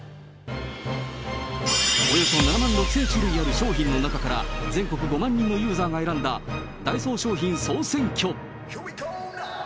およそ７万６０００種類ある商品の中から、全国５万人のユーザーが選んだダイソー商品総選挙。